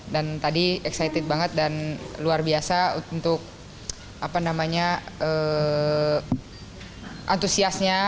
dan tadi excited banget dan luar biasa untuk antusiasnya